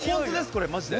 これマジで。